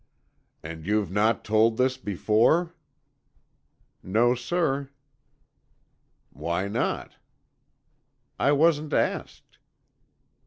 "And you've not told this before?" "No, sir." "Why not?" "I wasn't asked."